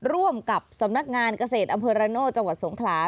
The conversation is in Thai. ร่วมกับสำนักงานเกษตรอำเภอระโนธจังหวัดสงขลา